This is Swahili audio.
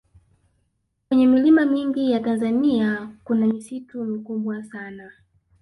kwenye milima mingi ya tanzania kuna misitu mikubwa sana